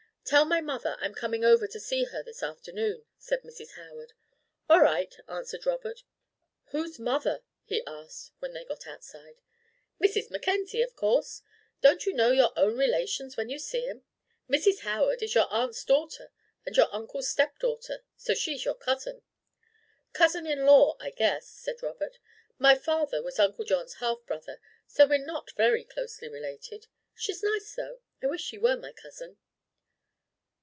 "Tell my mother I'm coming over to see her this afternoon," said Mrs. Howard. "All right," answered Robert. "Who's 'mother'?" he asked, when they got outside. "Mrs. Mackenzie, of course. Don't you know your own relations when you see 'em? Mrs. Howard is your aunt's daughter and your uncle's step daughter, so she's your cousin." "Cousin in law, I guess," said Robert. "My father was Uncle John's half brother, so we're not very closely related. She's nice, though. I wish she were my cousin."